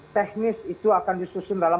teknis itu akan disusun dalam